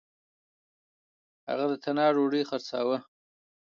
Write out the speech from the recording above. هغه د تنار ډوډۍ خرڅلاوه. .